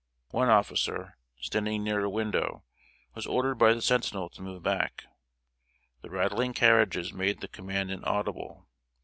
One officer, standing near a window, was ordered by the sentinel to move back. The rattling carriages made the command inaudible.